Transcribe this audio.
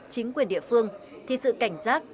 chính quyền địa phương thì sự cảnh giác